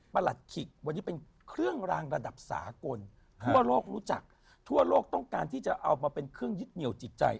หลัดขิกวันนี้เป็นเครื่องรางระดับสากลทั่วโลกรู้จักทั่วโลกต้องการที่จะเอามาเป็นเครื่องยึดเหนียวจิตใจ